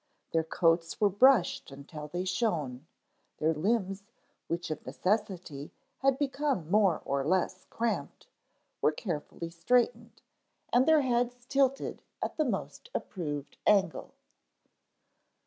Their coats were brushed until they shone, their limbs, which of necessity had become more or less cramped, were carefully straightened, and their heads tilted at the most approved angle.